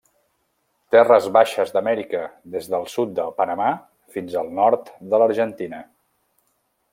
Terres baixes d'Amèrica des del sud de Panamà fins al nord de l'Argentina.